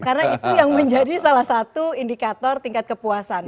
karena itu yang menjadi salah satu indikator tingkat kepuasan